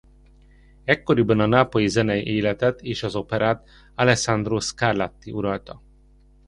Ekkoriban a nápolyi zenei életet és az operát Alessandro Scarlatti uralta.